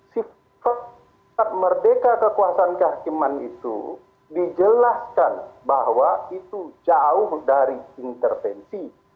sifat merdeka kekuasaan kehakiman itu dijelaskan bahwa itu jauh dari intervensi